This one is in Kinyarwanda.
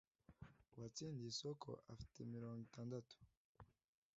uwatsindiye isoko afite mirongo itandatu